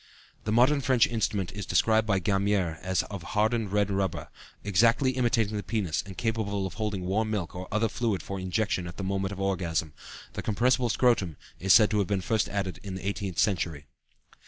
" The modern French instrument is described by Gamier as of hardened red rubber, exactly imitating the penis and capable of holding warm milk or other fluid for injection at the moment of orgasm; the compressible scrotum is said to have been first added in the eighteenth century.